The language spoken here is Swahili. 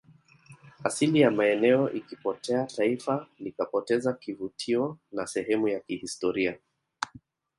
asili ya maeneo ikipotea taifa likapoteza kivutio na sehemu ya kihistoria